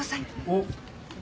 おっ。